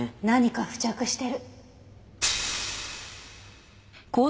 何か付着してる。